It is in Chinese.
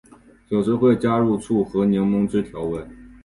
有时会加入醋或柠檬汁调味。